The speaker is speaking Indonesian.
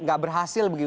nggak berhasil begitu